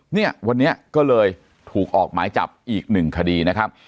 เนี่ยวันนี้ก็เลยถูกออกหมายจับอีกหนึ่งคดีนะครับ